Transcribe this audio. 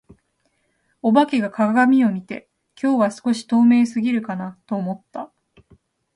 お化けが鏡を見て、「今日は少し透明過ぎるかな」と思った。